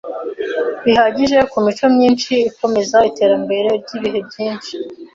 bihagije kumico myinshi ikomeza iterambere ryibihe byinshi.